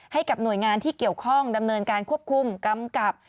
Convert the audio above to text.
ให้กับหน่วยงานที่เกี่ยวข้องดำเนินการควบคุมกำกับ